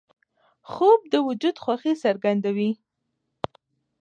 خوب د وجود خوښي څرګندوي